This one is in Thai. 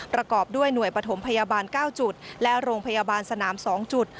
ประกอบด้วยหน่วยปฐมพยาบาล๙จุดและโรงพยาบาลสนาม๒จุด